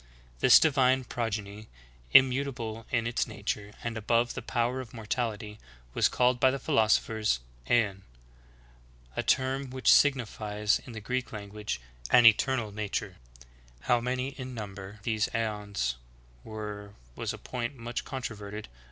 This divine progeny, im mutable in its nature, and above the power of mortality, was called, by the philosophers. Aeon — a term wh^'ch signi '^Matt. 9:16, 17. GNOSTICISM. 99 fies, in the Greek language, an eternal nature. How many in number these Aeons were was a point much controverted among the oriental sages.